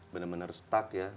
benar benar stuck ya